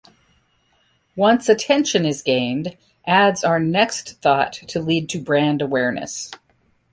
Once attention is gained, ads are next thought to lead to brand awareness.